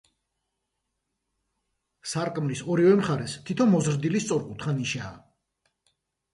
სარკმლის ორივე მხარეს თითო მოზრდილი სწორკუთხა ნიშაა.